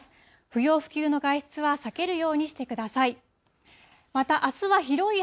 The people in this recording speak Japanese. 不要不急の外出は避けるようにしてください。